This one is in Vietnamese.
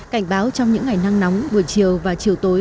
cảnh báo trong những ngày nắng nóng buổi chiều và chiều tối